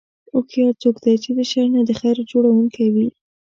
هوښیار څوک دی چې د شر نه د خیر جوړوونکی وي.